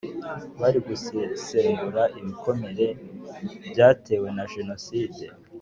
Bari Gusesengura ibikomere byatewe na jenoside.